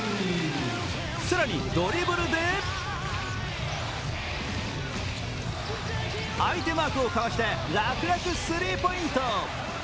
更にドリブルで相手マークをかわして楽々スリーポイント。